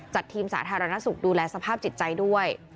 ทีมสาธารณสุขดูแลสภาพจิตใจด้วย